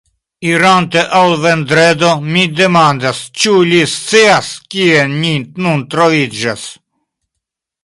Irante al Vendredo, mi demandas, ĉu li scias, kie ni nun troviĝas.